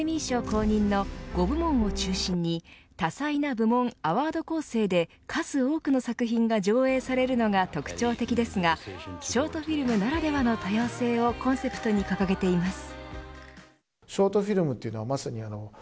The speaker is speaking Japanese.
公認の５部門を中心に多彩な部門、アワード構成で数多くの作品が上映されるのが特徴的ですがショートフィルムならではの多様性をコンセプトに掲げています。